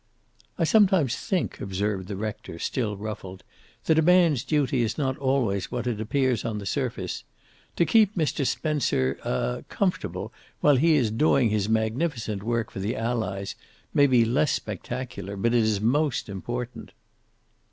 "I sometimes think," observed the rector, still ruffled, "that a man's duty is not always what it appears on the surface. To keep Mr. Spencer er comfortable, while he is doing his magnificent work for the Allies, may be less spectacular, but it is most important."